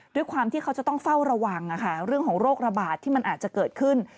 ด้วยความที่เขาจะต้องเฝ้าระวังเรื่องของโรคระบาดที่มันอาจจะเกิดขึ้น